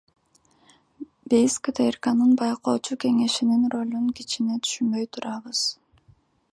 Биз КТРКнын байкоочу кеңешинин ролун кичине түшүнбөй турабыз.